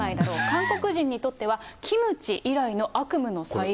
韓国人にとってはキムチ以来の悪夢の再来。